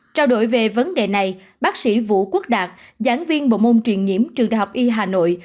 trao đổi về vấn đề này bác sĩ vũ quốc đạt giảng viên bộ môn truyền nhiễm trường đại học y hà nội